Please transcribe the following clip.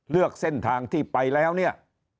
เลือกเส้นทางที่ไปแล้วเนี่ย